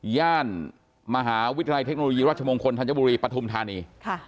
ย่านมหาวิทยาลัยเทคโนโลยีรัชมงคลธัญบุรีปฐุมธานี